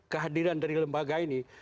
kehadiran dari lembaga ini